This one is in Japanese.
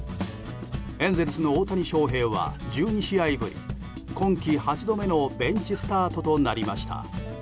エンゼルスの大谷翔平は１２試合ぶり今季８度目のベンチスタートとなりました。